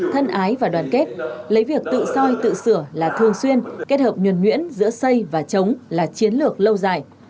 thân ái và đoàn kết lấy việc tự soi tự sửa là thường xuyên kết hợp nhuẩn nhuyễn giữa xây và chống là chiến lược lâu dài